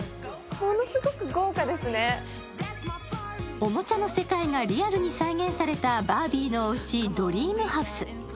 おもちゃの世界がリアルに再現されたバービーのおうち、ドリームハウス。